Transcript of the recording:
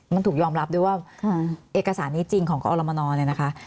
มันถูกยอมรับด้วยว่าเอกสารนี้จริงของกอรมนเนี่ยนะคะ